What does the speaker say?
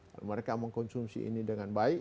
kalau mereka mengkonsumsi ini dengan baik